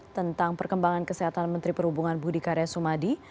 tentang perkembangan kesehatan menteri perhubungan budi karya sumadi